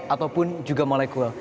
ataupun juga molekul